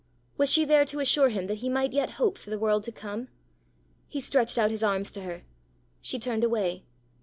Was she there to assure him that he might yet hope for the world to come? He stretched out his arms to her. She turned away.